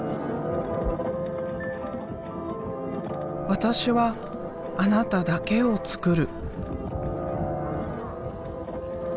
私はあなただけをつくる。